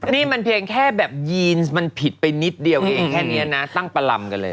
นี่มันเพียงแค่แบบยีนมันผิดไปนิดเดียวเองแค่นี้นะตั้งประลำกันเลย